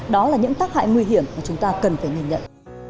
đó là những tác hại nguy hiểm mà chúng ta cần phải nhìn nhận